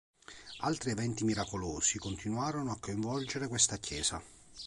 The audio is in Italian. Altri eventi miracolosi continuarono a coinvolgere questa chiesa.